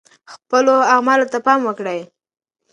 خپلو اعمالو ته پام وکړئ.